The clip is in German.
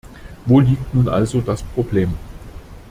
Wo liegt nun also das Problem?